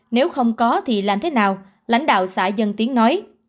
nếu không có thì làm thế nào lãnh đạo xã dân tiếng nói